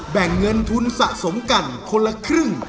แบ่งเงินทุนสะสมกันคนละครึ่ง